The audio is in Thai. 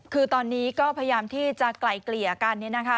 คือตอนนี้ก็พยายามที่จะไกลเกลี่ยกัน